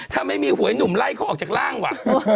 ถ้าไม่มีหวยหนุ่มไล่เขาออกจากร่างว่ะ